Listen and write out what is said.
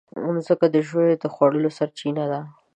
مځکه د ژويو د خوړو سرچینه ده.